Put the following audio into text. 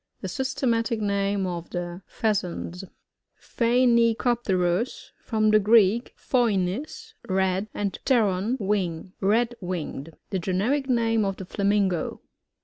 The systematic name of the Pheasants. pHOBNicoPTERus. — From the Greek, phoinix, red, and pteron^ wing. Red winged. The generic name of the Flamingo.